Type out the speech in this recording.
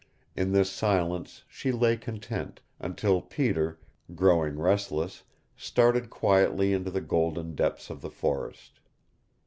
In this silence she lay content, until Peter growing restless started quietly into the golden depths of the forest.